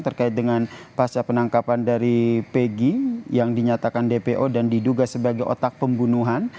terkait dengan pasca penangkapan dari pegi yang dinyatakan dpo dan diduga sebagai otak pembunuhan